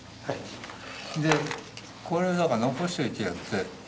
でこれはだから残しといてやって。